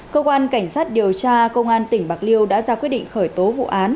cơ quan cảnh sát điều tra công an tỉnh bạc liêu đã ra quyết định khởi tố vụ án